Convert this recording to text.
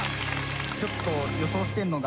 ちょっと。